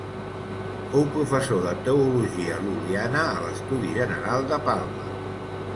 Fou professor de teologia lul·liana a l'Estudi General de Palma.